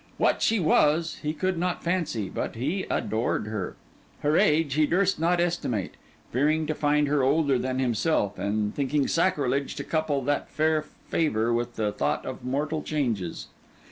What she was, he could not fancy, but he adored her. Her age, he durst not estimate; fearing to find her older than himself, and thinking sacrilege to couple that fair favour with the thought of mortal changes.